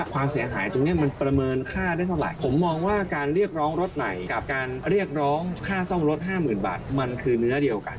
ค่าซ่องรถ๕๐๐๐๐บาทมันคือเนื้อเดียวกัน